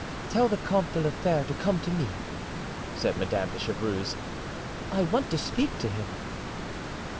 "Tell the Comte de la Fere to come to me," said Madame de Chevreuse, "I want to speak to him."